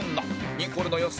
ニコルの予想